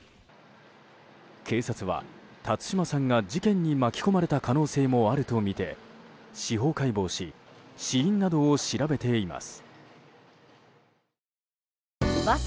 警察は、辰島さんが事件に巻き込まれた可能性もあるとみて司法解剖し死因などを調べています。